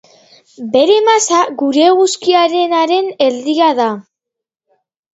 Bere masa, gure eguzkiarenaren erdia da.